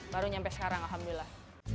baru nyampe sekarang alhamdulillah